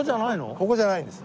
ここじゃないんです。